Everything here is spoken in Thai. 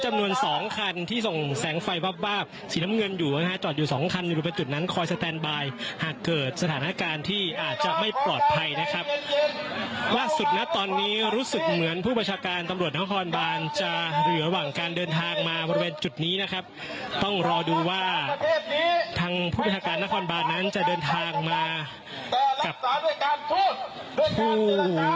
จำนวนสองคันที่ส่งแสงไฟวาบวาบสีน้ำเงินอยู่นะฮะจอดอยู่สองคันอยู่บริเวณจุดนั้นคอยสแตนบายหากเกิดสถานการณ์ที่อาจจะไม่ปลอดภัยนะครับล่าสุดนะตอนนี้รู้สึกเหมือนผู้ประชาการตำรวจนครบานจะเหลือระหว่างการเดินทางมาบริเวณจุดนี้นะครับต้องรอดูว่าทางผู้ประชาการนครบานนั้นจะเดินทางมากับผู้